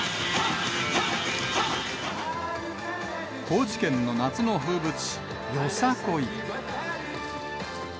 高知県の夏の風物詩、よさこい。